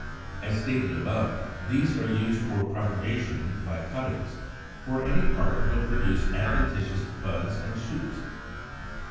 As stated above, these are used for propagation by cuttings; for any part will produce adventitious buds and shoots.